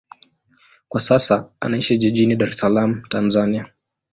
Kwa sasa anaishi jijini Dar es Salaam, Tanzania.